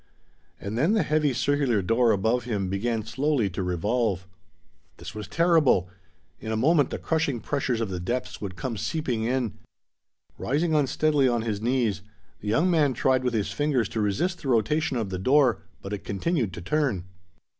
And then the heavy circular door above him began slowly to revolve. This was terrible! In a moment the crushing pressures of the depths would come seeping in. Rising unsteadily upon his knees, the young man tried with his fingers to resist the rotation of the door; but it continued to turn.